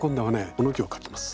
この木を描きます。